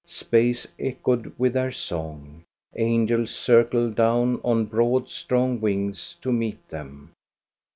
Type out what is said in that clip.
Space echoed with their song. Angels circled down on broad, strong wings to meet them.